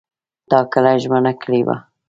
تا کلکه ژمنه کړې وه !